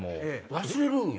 忘れるんや。